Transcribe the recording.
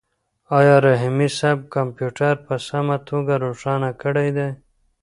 آیا رحیمي صیب کمپیوټر په سمه توګه روښانه کړی دی؟